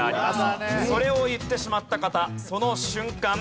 それを言ってしまった方その瞬間